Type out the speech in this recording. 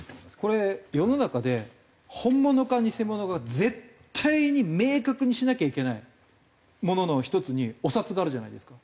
これ世の中で本物か偽物か絶対に明確にしなきゃいけないものの１つにお札があるじゃないですか。